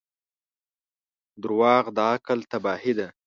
• دروغ د عقل تباهي ده.